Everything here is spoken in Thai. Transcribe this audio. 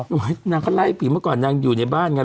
นางก็ไล่ผีเมื่อก่อนนางอยู่ในบ้านไง